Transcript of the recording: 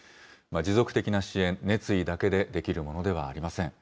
持続的な支援、熱意だけでできるものではありません。